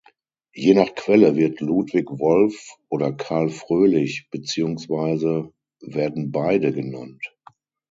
Je nach Quelle wird Ludwig Wolff oder Carl Froelich beziehungsweise werden beide genannt.